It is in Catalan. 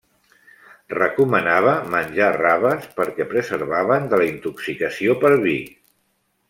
Recomanava menjar raves perquè preservaven de la intoxicació per vi.